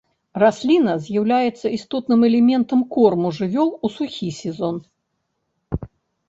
Расліна з'яўляецца істотным элементам корму жывёл у сухі сезон.